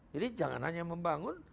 jadi jangan hanya membangun